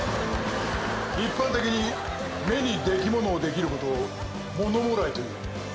一般的に目にデキモノをできることをものもらいと言う。